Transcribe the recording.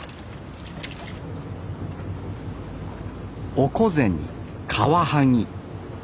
オコゼにカワハギ。